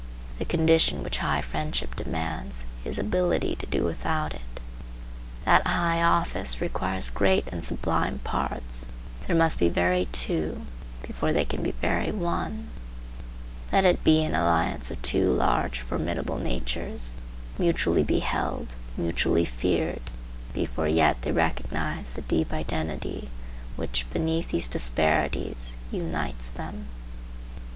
The condition which high friendship demands is ability to do without it. That high office requires great and sublime parts. There must be very two, before there can be very one. Let it be an alliance of two large, formidable natures, mutually beheld, mutually feared, before yet they recognize the deep identity which, beneath these disparities, unites them.